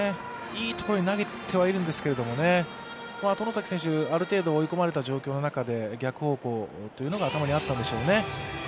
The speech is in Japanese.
いいところに投げてはいるんですけど、外崎選手、ある程度追い込まれた状況の中で逆方向というのが頭にあったんでしょうね。